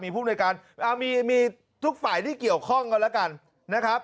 ผู้ในการมีทุกฝ่ายที่เกี่ยวข้องกันแล้วกันนะครับ